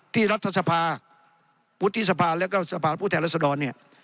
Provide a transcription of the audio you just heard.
ที่รัฐศพาพุทธศพาและก็พุทธแห่งรัฐศดรเนี่ย